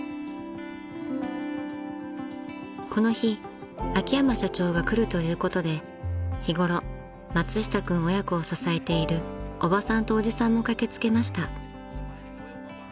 ［この日秋山社長が来るということで日ごろ松下君親子を支えている伯母さんと伯父さんも駆け付けました］